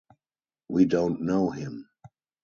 We don't know him!